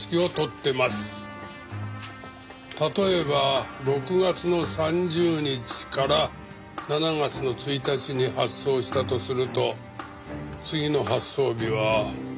例えば６月の３０日から７月の１日に発送したとすると次の発送日は。